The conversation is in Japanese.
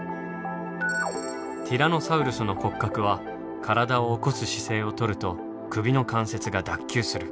ティラノサウルスの骨格は体を起こす姿勢を取ると首の関節が脱臼する。